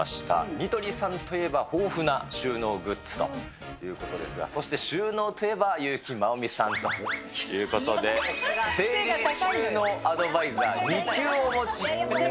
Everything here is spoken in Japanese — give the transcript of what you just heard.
ニトリさんといえば豊富な収納グッズということですが、そして、収納といえば、優木まおみさんということで、整理収納アドバイザー２級をお持ち。